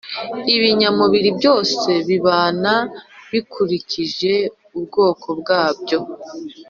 Ibinyamubiri byose bibana bikurikije ubwoko bwabyo,